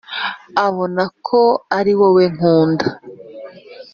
abona ko ari wowe nkuba